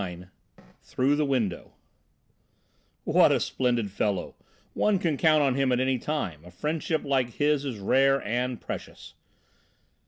XXIX THROUGH THE WINDOW "What a splendid fellow! One can count on him at any time. A friendship like his is rare and precious."